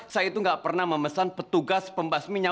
saya itu nggak pernah memesan petugas pembas minyak